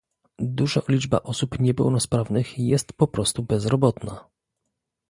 Duża liczba osób niepełnosprawnych jest po prostu bezrobotna